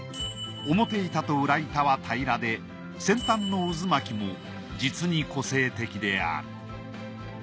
表板と裏板は平らで先端の渦巻きも実に個性的である。